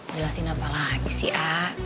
jelasin apa lagi si a